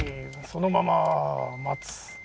そのまま待つ。